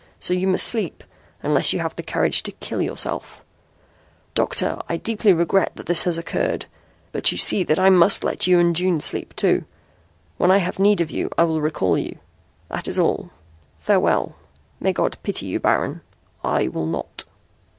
So you must sleep unless you have the courage to kill yourself. Doctor, I deeply regret that this has occurred, but you see that I must let you and June sleep too. When I have need of you I will recall you. That is all. Farewell. May God pity you, Baron. I will not."